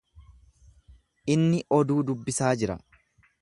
Inni oduu dubbisaa jira.